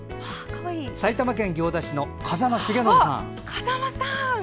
埼玉県行田市の風間重信さんです。